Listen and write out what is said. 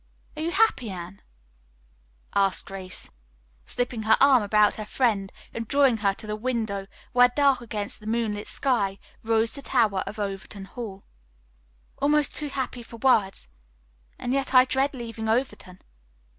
"Are you happy, Anne?" asked Grace, slipping her arm about her friend and drawing her to the window where, dark against the moonlit sky, rose the tower of Overton Hall. "Almost too happy for words, and yet I dread leaving Overton."